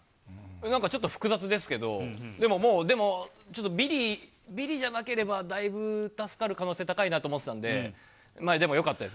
なんかちょっと複雑ですけど、でももう、でも、ちょっとビリ、ビリじゃなければ、だいぶ助かる可能性高いなと思ってたので、でもよかったです。